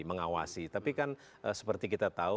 mengawasi tapi kan seperti kita tahu